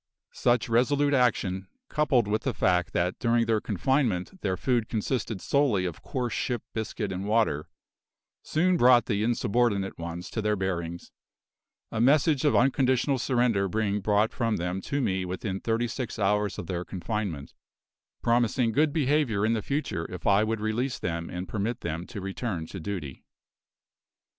Such resolute action, coupled with the fact that during their confinement their food consisted solely of coarse ship biscuit and water, soon brought the insubordinate ones to their bearings, a message of unconditional surrender being brought from them to me within thirty six hours of their confinement, promising good behaviour in the future if I would release them and permit them to return to duty.